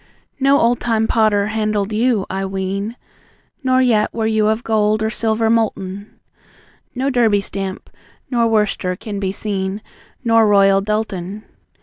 No old time potter handled you, I ween, Nor yet were you of gold or silver molten; No Derby stamp, nor Worcester, can be seen, Nor Royal Doulton.